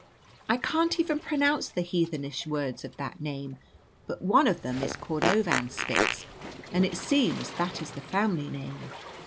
I can't even pronounce the heathenish words of the name; but one of them is Cordovanspitz, and it seems that is the family name.